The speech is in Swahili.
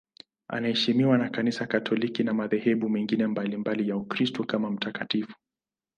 Anaheshimiwa na Kanisa Katoliki na madhehebu mengine mbalimbali ya Ukristo kama mtakatifu.